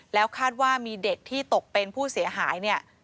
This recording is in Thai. แล้วคาดว่ามีเด็กที่ตกเป็นผู้เสียหายเนี่ย